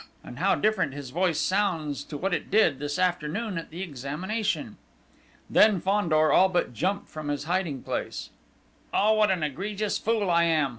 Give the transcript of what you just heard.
And how different his voice sounds to what it did, this afternoon, at the examination!" Then Fandor all but jumped from his hiding place. "Oh! What an egregious fool I am!